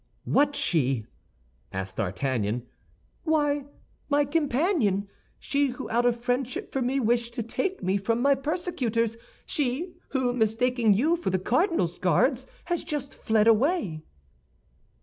_ What she?" asked D'Artagnan. "Why, my companion. She who out of friendship for me wished to take me from my persecutors. She who, mistaking you for the cardinal's Guards, has just fled away."